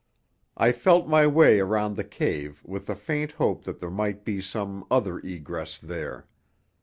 I felt my way around the cave with the faint hope that there might be some other egress there.